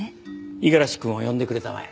五十嵐くんを呼んでくれたまえ。